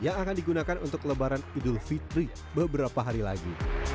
yang akan digunakan untuk lebaran idul fitri beberapa hari lagi